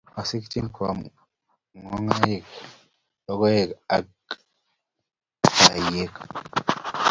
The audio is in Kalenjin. Masikchini koam ngokaik logoek ak banyek